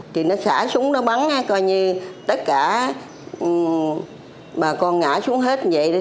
thì nó xả súng nó bắn coi như tất cả bà con ngã xuống hết như vậy đấy